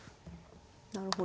なるほど。